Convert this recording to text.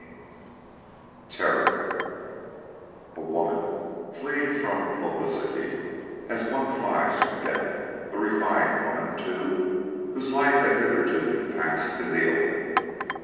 XXV TERROR A woman fleeing from publicity as one flies from death a refined woman, too, whose life had hitherto been passed in the open!